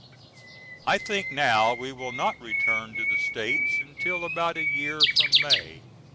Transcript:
I think now we will not return to the States until about a year from May.